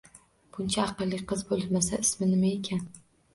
Buncha aqlli qiz bo`lmasa, ismi nima ekan